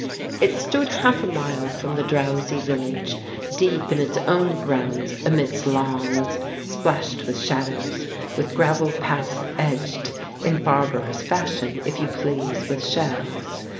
It stood half a mile from the drowsy village, deep in its own grounds amidst lawns splashed with shadows, with gravel paths edged in barbarous fashion, if you please with shells.